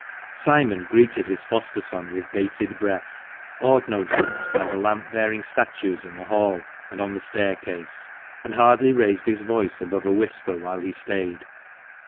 Simon greeted his foster son with bated breath, awed no doubt by the lamp bearing statues in the hall and on the staircase, and hardly raised his voice above a whisper while he stayed.